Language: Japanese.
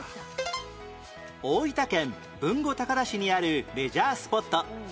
大分県豊後高田市にあるレジャースポット